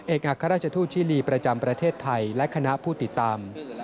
เอกอักษรรัชธุชิลีประจำประเทศไทยและคณะผู้ติดตาม